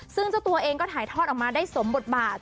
ซึ่งเจ้าตัวเองก็ถ่ายทอดออกมาได้สมบทบาท